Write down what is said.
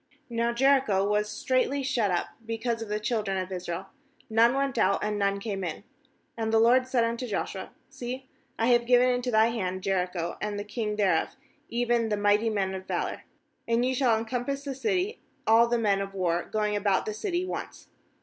£* Now Jericho was straitly shut up because of the children of Israel: none went out, and none came in. — 2And the LORD said unto Joshua: 'See, I have given into thy hand Jericho, and the king thereof, even the mighty men of valour. 3And ye shall compass the city, all the men of war, going about the city once.